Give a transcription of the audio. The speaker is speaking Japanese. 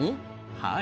はい。